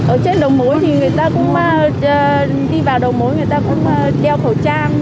ở trên đồng mối thì người ta cũng đi vào đồng mối người ta cũng đeo khẩu trang